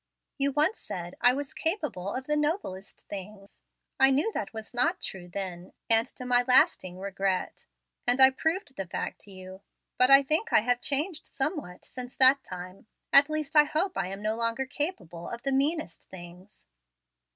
You once said I was 'capable of the noblest things.' I knew that was not true then, and to my lasting regret, and I proved the fact to you. But I think I have changed somewhat since that time. At least, I hope I am no longer capable of the meanest things."